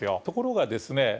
ところがですね